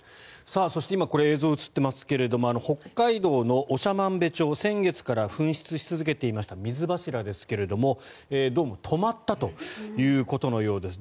そして、今これ映像が映っていますけれども北海道の長万部町先月から噴出し続けていました水柱ですがどうも止まったということのようです。